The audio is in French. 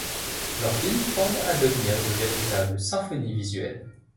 Leurs films tendent à devenir de véritables symphonies visuelles.